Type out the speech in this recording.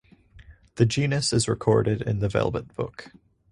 The genus is recorded in the Velvet Book.